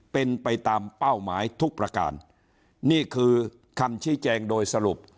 เป็นไปตามเป้าหมายทุกประการนี่คือคำชี้แจงโดยสรุป